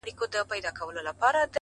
راځه رحچيږه بيا په قهر راته جام دی پير”